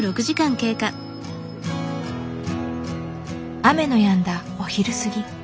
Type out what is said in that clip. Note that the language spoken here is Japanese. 雨のやんだお昼過ぎ。